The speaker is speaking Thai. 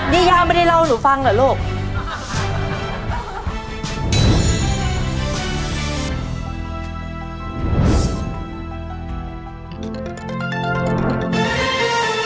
นี่ย่าไม่ได้เล่าให้หนูฟังเหรอลูก